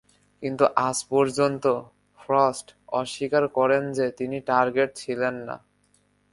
কিন্তু আজ পর্যন্ত, ফ্রস্ট অস্বীকার করেন যে তিনি টার্গেট ছিলেন না।